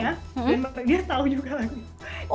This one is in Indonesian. dan dia tahu juga lagunya